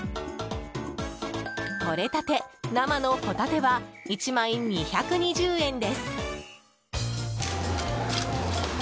とれたて生のホタテは１枚２２０円です。